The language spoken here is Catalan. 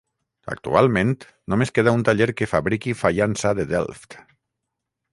Actualment només queda un taller que fabriqui faiança de Delft.